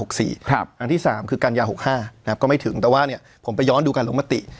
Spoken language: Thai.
อันที่๓คือกันยา๖๕ก็ไม่ถึงแต่ว่าผมไปย้อนดูการลงมติ